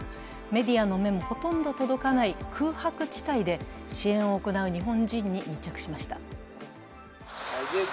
メディアの目もほとんど届かない空白地帯で支援を行う日本人に密着しました。